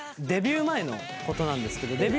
デビュー前のことなんですけど。